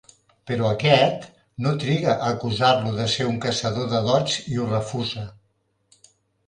Però aquest, no triga a acusar-lo de ser un caçador de dots i ho refusa.